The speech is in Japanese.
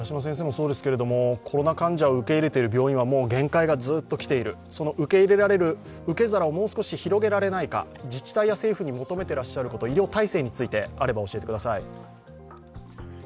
コロナ患者を受け入れている病院は限界がずっと来ている、その受け入れられる受け皿をもう少し広げられないか、自治体や政府に求めていらっしゃること医療体制について教えてください。